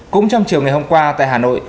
cũng trong chiều ngày hôm qua tại hà nội